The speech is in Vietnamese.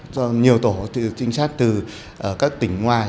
do nhiều tổ trinh sát từ các tỉnh ngoài